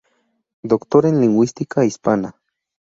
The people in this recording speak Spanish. Doctor en Lingüística Hispánica.